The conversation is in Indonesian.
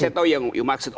saya tau maksudnya